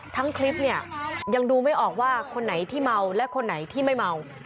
ทั้งคลิปเนี่ยยังดูไม่ออกว่าคนไหนที่เมาและคนไหนที่ไม่เมา